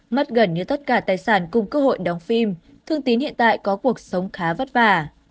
mất gần như tất cả tài sản cùng cơ hội đóng phim thương tín hiện tại có cuộc sống khá vất vả